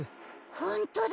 ほんとだ。